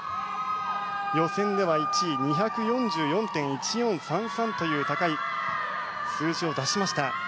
予選では１位２４４．１４３３という高い数字を出しました。